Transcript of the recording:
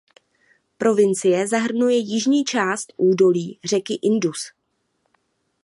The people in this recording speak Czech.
Provincie zahrnuje jižní část údolí řeky Indus.